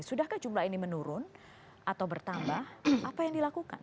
sudahkah jumlah ini menurun atau bertambah apa yang dilakukan